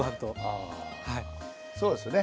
ああそうですね。